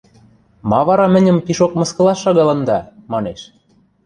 Ма вара мӹньӹм пишок мыскылаш шагалында?! – манеш.